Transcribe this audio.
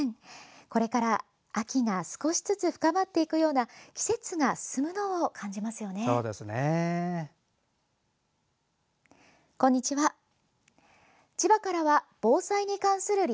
これから、秋が少しずつ深まっていくような季節が進むのを感じますよね。